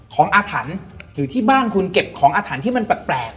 อาถรรพ์หรือที่บ้านคุณเก็บของอาถรรพ์ที่มันแปลก